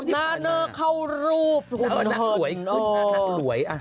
นางเข้ารูปนางหลวย